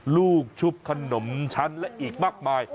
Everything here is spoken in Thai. ลูกชุบขนมชั้นและอีกมากมาย